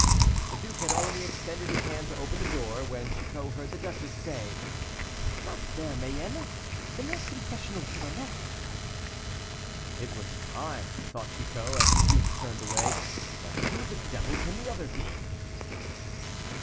The duke had already extended his hand to open the door, when Chicot heard the duchess say: "Not there, Mayenne; in that confessional to the left." "It was time," thought Chicot, as the duke turned away, "but who the devil can the other be?"